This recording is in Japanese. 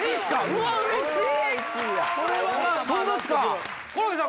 うわっうれしい！